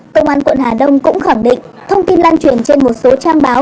công an quận hà đông cũng khẳng định thông tin lan truyền trên một số trang báo